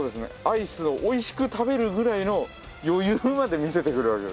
アイスをおいしく食べるぐらいの余裕まで見せてくれるわけですね。